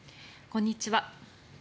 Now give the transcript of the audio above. こんにちは。